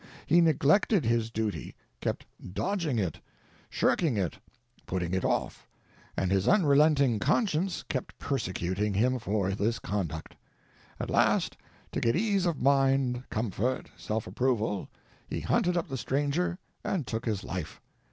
He neglected his duty—kept dodging it, shirking it, putting it off, and his unrelenting conscience kept persecuting him for this conduct. At last, to get ease of mind, comfort, self approval, he hunted up the stranger and took his life.